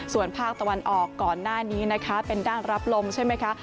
ส่วนภาคตะวันออกก่อนหน้านี้นะคะเป็นด้านรับลมใช่ไหมคะ